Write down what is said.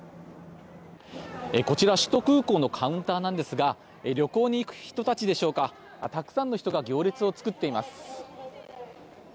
こちら首都空港のカウンターなんですが旅行に行く人たちでしょうかたくさんの人が行列を作っています。